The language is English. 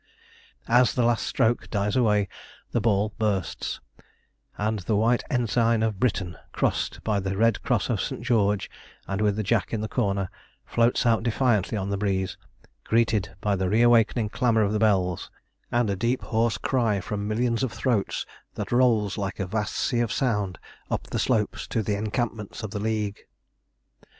As the last stroke dies away the ball bursts, and the White Ensign of Britain crossed by the Red Cross of St. George, and with the Jack in the corner, floats out defiantly on the breeze, greeted by the reawakening clamour of the bells, and a deep hoarse cry from millions of throats, that rolls like a vast sea of sound up the slopes to the encampments of the League.